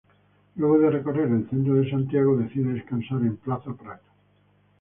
Luego de recorrer el centro de Santiago decide descansar en Plaza Prat.